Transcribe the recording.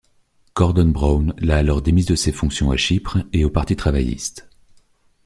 Gordon Brown l'a alors démise de ses fonctions à Chypre et au parti travailliste.